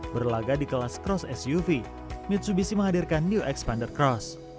berlaga di kelas cross suv mitsubishi menghadirkan new expander cross